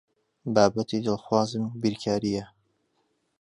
بابەتی دڵخوازم بیرکارییە.